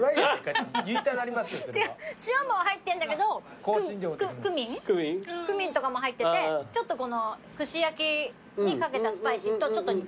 塩も入ってんだけどクミンとかも入っててちょっとこの串焼きに掛けたスパイシーとちょっと似てる。